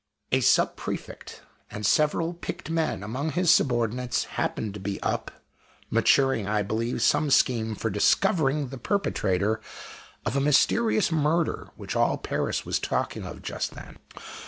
A "Sub prefect," and several picked men among his subordinates, happened to be up, maturing, I believe, some scheme for discovering the perpetrator of a mysterious murder which all Paris was talking of just then.